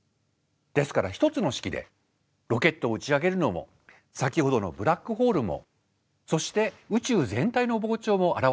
ですから１つの式でロケットを打ち上げるのも先ほどのブラックホールもそして宇宙全体の膨張も表すことができる。